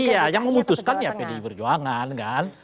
iya yang memutuskan ya pdi perjuangan kan